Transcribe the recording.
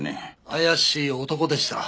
怪しい男でした。